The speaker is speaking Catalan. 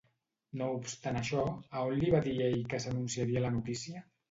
No obstant això, a on li va dir ell que s'anunciaria la notícia?